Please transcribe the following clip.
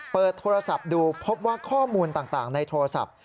เปิดโทรศัพท์ดูพบว่าข้อมูลต่างในโทรศัพท์